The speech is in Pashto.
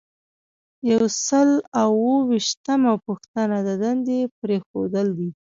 یو سل او اووه ویشتمه پوښتنه د دندې پریښودل دي.